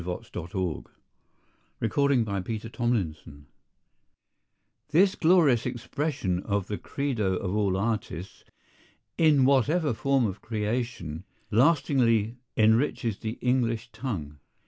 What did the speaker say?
'" A FAMILIAR PREFACE By Joseph Conrad This glorious expression of the credo of all artists, in whatever form of creation, lastingly enriches the English tongue.